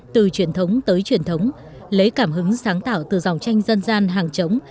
từ truyền thống tới truyền thống lấy cảm hứng sáng tạo từ dòng tranh dân gian hàng chống